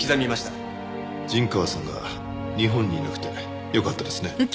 陣川さんが日本にいなくてよかったですね。